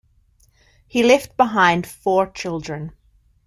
He left behind four children.